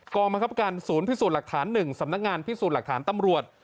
กรรมคับการศูนย์พิสูจน์หลักฐาน๑สำนักงานพิสูจน์หลักฐานตำรวจ